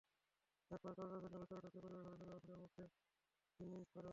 একপর্যায়ে দরজা ভেঙে ভেতরে ঢুকে পরিবারের সদস্যদের অস্ত্রের মুখে জিমিঞ্চ করে অস্ত্রধারীরা।